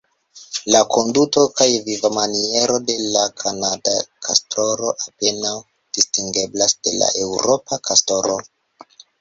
La konduto kaj vivmaniero de la kanada kastoro apenaŭ distingeblas de la eŭropa kastoro.